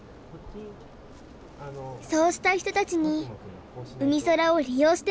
そうした人たちにうみそらを利用してもらいたい。